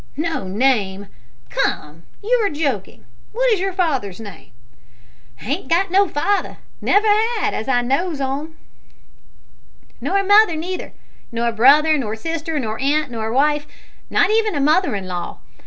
"No name! Come, you are joking. What is your father's name?" "Hain't got no father never 'ad, as I knows on, nor mother neither, nor brother, nor sister, nor aunt, nor wife not even a mother in law.